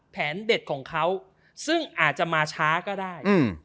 เด็ดของเขาซึ่งอาจจะมาช้าก็ได้